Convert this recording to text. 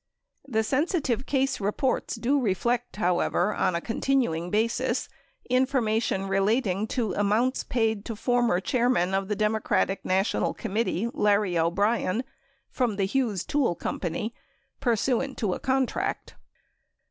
The sensitive case reports do reflect, however, on a continuing basis, in formation relating to amounts paid to former chairman of the Dem ocratic National Committee, Larry O'Brien, from the Hughes Tool Company, pursuant to a contract.